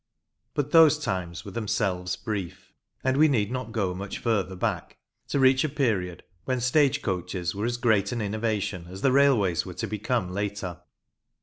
But those times were themselves brief, and we need not go much further back to reach a period when stage coaches were as great an innovation as the railways were to become later.